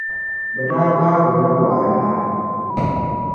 Bɛ daa gbaagi o la Wa naa.